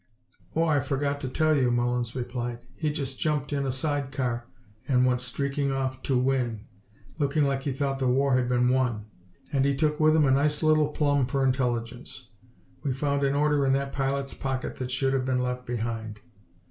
"Oh, I forgot to tell you," Mullins replied. "He just jumped in a side car and went streaking off to Wing, looking like he thought the war had been won. And he took with him a nice little plum for Intelligence. We found an order in that pilot's pocket that should have been left behind."